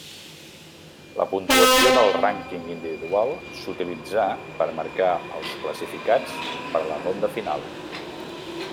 La puntuació del rànquing individual s'utilitzà per marcar els classificats per a la ronda final.